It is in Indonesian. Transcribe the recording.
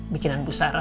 bikinan bu sarah